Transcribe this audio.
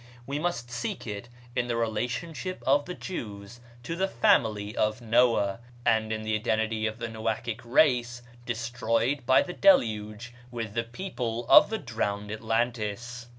We must seek it in the relationship of the Jews to the family of Noah, and in the identity of the Noachic race destroyed in the Deluge with the people of the drowned Atlantis.